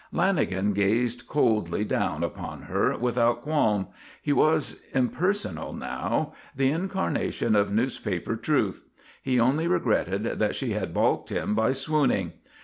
Lanagan gazed coldly down upon her without qualm. He was impersonal now; the incarnation of newspaper truth. He only regretted that she had balked him by swooning.